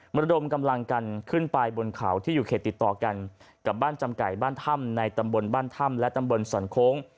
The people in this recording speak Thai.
ระดมกำลังกันขึ้นไปบนเขาที่อยู่เขตติดต่อกันกับบ้านจำไก่บ้านถ้ำในตำบลบ้านถ้ำและตำบลสรรโค้ง